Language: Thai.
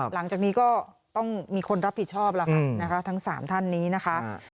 หลังจากนี้ก็ต้องมีคนรับผิดชอบแล้วค่ะนะคะทั้ง๓ท่านนี้นะคะ